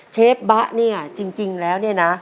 เชฟบะเนี่ยจริงแล้วเนี่ยนะ